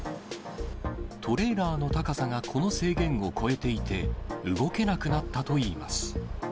トレーラーの高さがこの制限を超えていて、動けなくなったといいます。